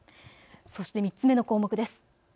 そして３つ目の項目です。